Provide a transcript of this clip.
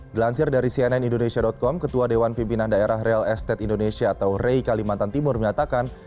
dilansir dari cnn indonesia com ketua dewan pimpinan daerah real estate indonesia atau rei kalimantan timur menyatakan